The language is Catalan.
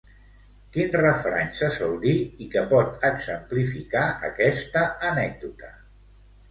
Quin refrany se sol dir i que pot exemplificar aquesta anècdota?